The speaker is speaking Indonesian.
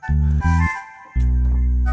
saya harus ngambil ug vloce lights out bukan k mri nya